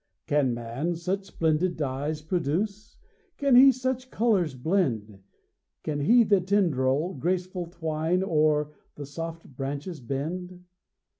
Can man such splendid dyes produce? Can he such colours blend? Can he the tendril graceful twine, Or the soft branches bend?